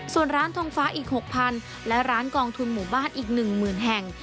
ส่วนร้านทงฟ้าอีก๖๐๐๐และร้านกองทุนหมู่บ้านอีก๑๐๐๐แห่ง